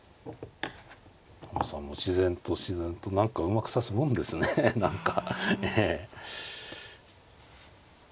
羽生さんも自然と自然と何かうまく指すもんですね何か。